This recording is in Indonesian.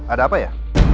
ada apa ya